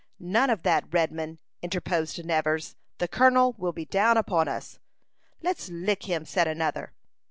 "None of that, Redman," interposed Nevers. "The colonel will be down upon us." "Let's lick him," said another.